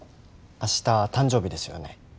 明日誕生日ですよね。